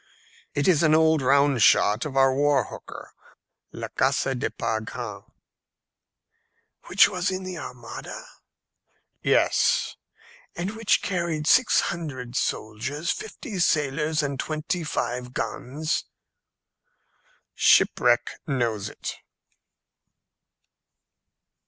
"It is an old round shot of our war hooker, La Casse de Par Grand." "Which was in the Armada?" "Yes." "And which carried six hundred soldiers, fifty sailors, and twenty five guns?" "Shipwreck knows it."